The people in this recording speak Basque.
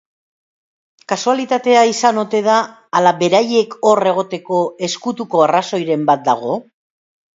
Kasualitatea izan ote da ala beraiek hor egoteko ezkutuko arrazoiren bat dago?